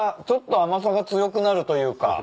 ちょっと甘さが強くなるというか。